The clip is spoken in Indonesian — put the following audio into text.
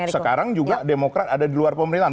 sekarang juga demokrat ada di luar pemerintahan